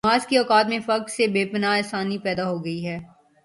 نمازکے اوقات میں فرق سے بے پناہ آسانی پیدا ہوگئی ہے۔